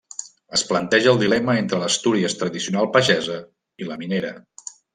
Es planteja el dilema entre l'Astúries tradicional pagesa i la minera.